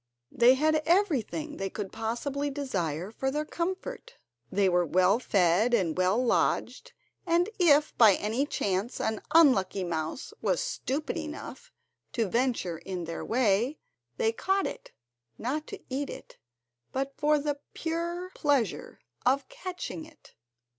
They had everything they could possibly desire for their comfort, they were well fed and well lodged, and if by any chance an unlucky mouse was stupid enough to venture in their way, they caught it, not to eat it, but for the pure pleasure of catching it.